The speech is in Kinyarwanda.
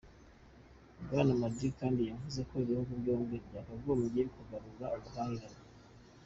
Bwana Modi kandi yavuze ko ibihugu byombi byakagombye kugarura ubuhahirane.